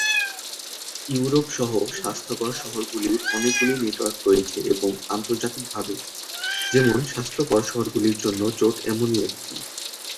Europe সহ স্বাস্থ্যকর শহরগুলির অনেকগুলি নেটওয়ার্ক রয়েছে এবং আন্তর্জাতিকভাবে, যেমন স্বাস্থ্যকর শহরগুলির জন্য জোট এমনই একটি।